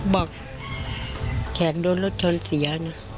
บอกแขกโดนรถชนเสีย